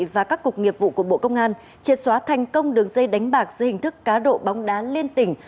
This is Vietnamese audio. và các cục nghiệp vụ của bộ công an triệt xóa thành công đường dây đánh bạc dưới hình thức cá độ bóng đá liên tỉnh